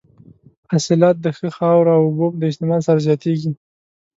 حاصلات د ښه خاورو او اوبو د استعمال سره زیاتېږي.